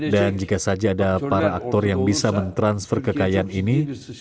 dan jika saja ada para aktor yang bisa mentransfer kekayaan ini